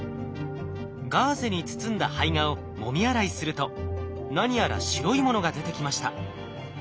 ガーゼに包んだ胚芽をもみ洗いすると何やら白いものが出てきました。